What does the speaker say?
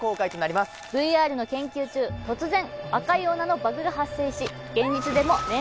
ＶＲの研究中突然赤い女のバグが発生し現実でも連続死が。